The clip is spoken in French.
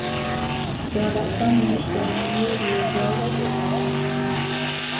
Dans la famille, servir les autres est un honneur.